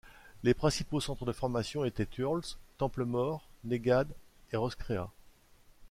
Les principaux centres de population étaient Thurles, Templemore, Nenagh et Roscrea.